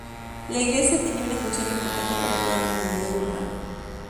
La iglesia tenía una función importante para toda la comunidad urbana.